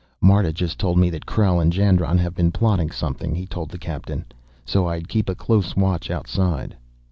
"Marta just told me that Krell and Jandron have been plotting something," he told the captain; "so I'd keep a close watch outside."